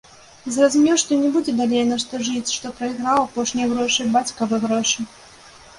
Зразумеў, што не будзе далей на што жыць, што прайграў апошнія грошы, бацькавы грошы.